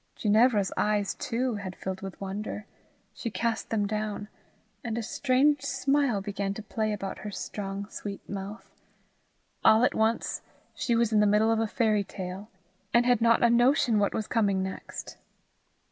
Ginevra's eyes too had filled with wonder; she cast them down, and a strange smile began to play about her sweet strong mouth. All at once she was in the middle of a fairy tale, and had not a notion what was coming next.